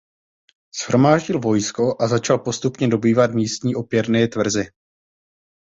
Shromáždil vojsko a začal postupně dobývat místní opěrné tvrze.